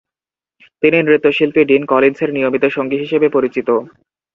তিনি নৃত্যশিল্পী ডিন কলিন্সের নিয়মিত সঙ্গী হিসেবে পরিচিত।